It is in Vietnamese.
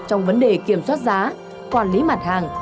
trong vấn đề kiểm soát giá quản lý mặt hàng